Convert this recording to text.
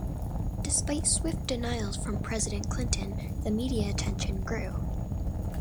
Despite swift denials from President Clinton, the media attention grew.